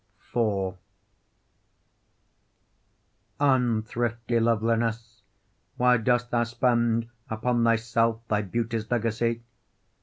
IV Unthrifty loveliness, why dost thou spend Upon thyself thy beauty's legacy?